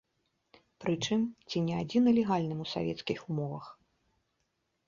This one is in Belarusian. Прычым, ці не адзіна легальным у савецкіх умовах.